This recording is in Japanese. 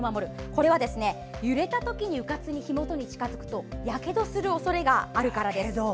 これは揺れた時にうかつに近づくとやけどするおそれがあるからです。